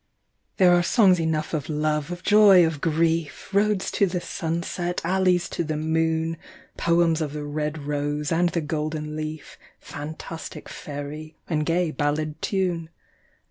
THERE are songs enough of love, of joy, of grief; Roads to the sunset, alleys to the moon ; Poems of the red rose and the golden leaf, Fantastic faery and gay ballad tune.